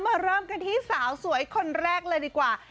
มาเริ่มกันที่สาวสวยคนแรกเลยดีกว่า